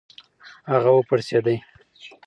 هغه و پړسېډی .